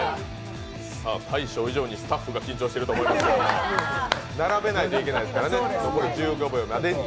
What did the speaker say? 大昇以上にスタッフが緊張していると思いますけど並べないといけないですからね、５０秒前までに。